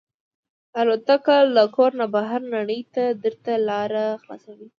الوتکه له کور نه بهر نړۍ ته درته لاره خلاصوي.